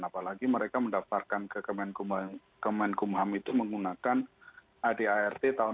apalagi mereka mendaftarkan ke kemenkum ham itu menggunakan adart tahun dua ribu lima